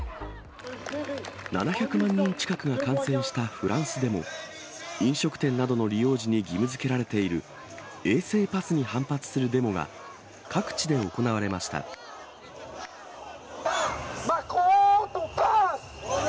７００万人近くが感染したフランスでも、飲食店などの利用時に義務づけられている衛生パスに反発するデモが、各地で行われました。